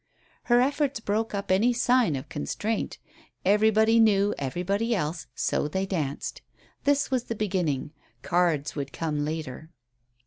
Her efforts broke up any sign of constraint; everybody knew everybody else, so they danced. This was the beginning; cards would come later.